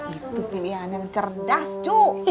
itu pilihan yang cerdas tuh